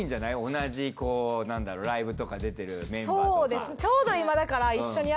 同じこうライブとか出てるメンバーとか。